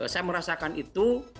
saya merasakan itu